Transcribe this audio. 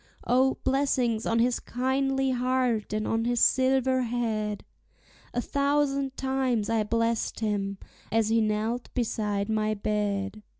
O, blessings on his kindly heart and on his silver head! A thousand times I blest him, as he knelt beside my bed.